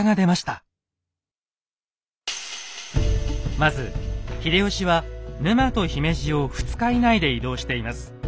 まず秀吉は沼と姫路を２日以内で移動しています。